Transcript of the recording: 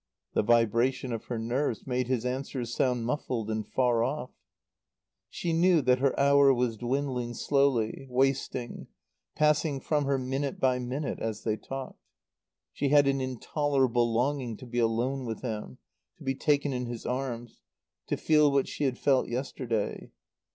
The vibration of her nerves made his answers sound muffled and far off. She knew that her hour was dwindling slowly, wasting, passing from her minute by minute as they talked. She had an intolerable longing to be alone with him, to be taken in his arms; to feel what she had felt yesterday.